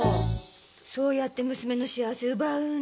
そうやって娘の幸せ奪うんだ。